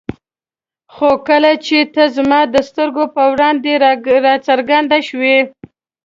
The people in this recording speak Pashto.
خو کله چې ته زما د سترګو په وړاندې را څرګند شوې.